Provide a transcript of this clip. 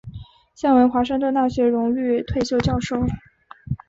现为华盛顿大学荣誉退休教授。